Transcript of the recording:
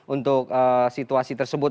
untuk situasi tersebut